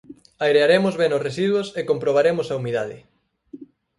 Airearemos ben os residuos e comprobaremos a humidade.